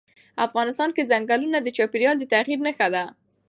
افغانستان کې چنګلونه د چاپېریال د تغیر نښه ده.